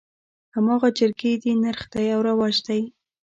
هماغه جرګې دي نرخ دى او رواج دى.